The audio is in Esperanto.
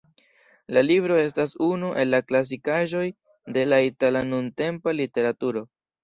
La libro estas unu el la klasikaĵoj de la itala nuntempa literaturo.